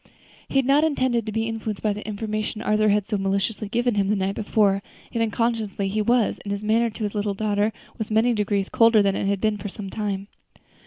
He had not intended to be influenced by the information Arthur had so maliciously given him the night before; yet unconsciously he was, and his manner to his little daughter was many degrees colder than it had been for some time.